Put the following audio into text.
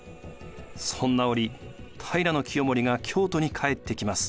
そんな折平清盛が京都に帰ってきます。